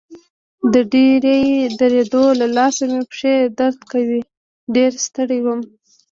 د ډېرې درېدو له لاسه مې پښې درد کاوه، ډېر ستړی وم.